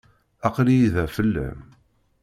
Aql-iyi da fell-am.